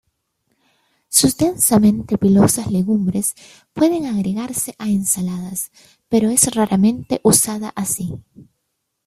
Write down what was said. Sus densamente pilosas legumbres pueden agregarse a ensaladas, pero es raramente usada así.